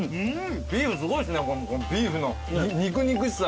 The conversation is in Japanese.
ビーフすごいっすねビーフの肉々しさが。